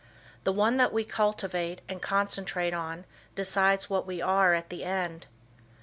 The one that we cultivate and concentrate on decides what we are at the end.